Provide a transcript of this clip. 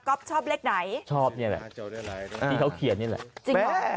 ชอบเลขไหนชอบนี่แหละที่เขาเขียนนี่แหละจริงไหม